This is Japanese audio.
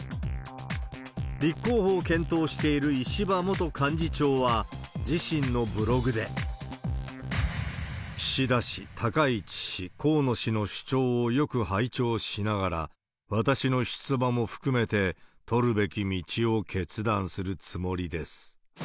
立候補を検討している石破元幹事長は、岸田氏、高市氏、河野氏の主張をよく拝聴しながら、私の出馬も含めて、取るべき道を決断するつもりです。